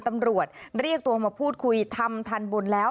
ตำรวจเรียกตัวมาพูดคุยทำทันบนแล้ว